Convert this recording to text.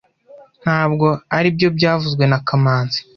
Ntabwo aribyo byavuzwe na kamanzi